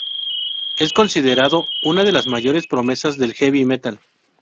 Es considerado una de las mayores promesas del heavy metal.